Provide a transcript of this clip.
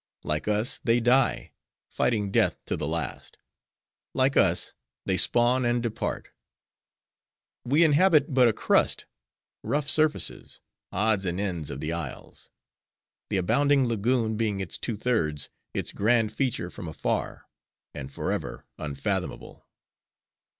Like us, they die, fighting death to the last; like us, they spawn and depart. We inhabit but a crust, rough surfaces, odds and ends of the isles; the abounding lagoon being its two thirds, its grand feature from afar; and forever unfathomable.